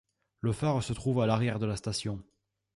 Le phare se trouve à l'arrière de la station.